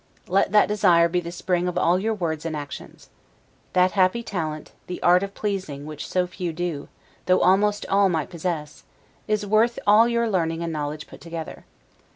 Let that desire be the spring of all your words and actions. That happy talent, the art of pleasing, which so few do, though almost all might possess, is worth all your learning and knowledge put together.